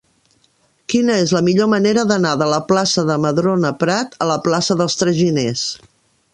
Quina és la millor manera d'anar de la plaça de Madrona Prat a la plaça dels Traginers?